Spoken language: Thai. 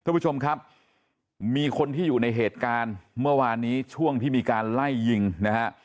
คุณผู้ชมครับมีคนที่อยู่ในเหตุการณ์เมื่อวานนี้ช่วงที่มีการไล่ยิงนะฮะ